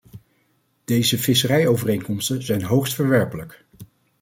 Deze visserijovereenkomsten zijn hoogst verwerpelijk.